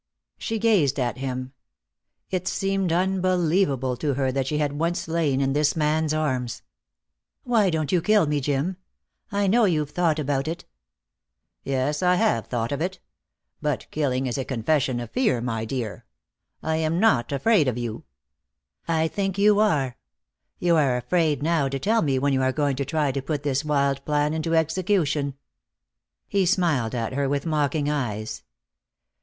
She gazed at him. It seemed unbelievable to her that she had once lain in this man's arms. "Why don't you kill me, Jim? I know you've thought about it." "Yes, I've thought of it. But killing is a confession of fear, my dear. I am not afraid of you." "I think you are. You are afraid now to tell me when you are going to try to put this wild plan into execution." He smiled at her with mocking eyes.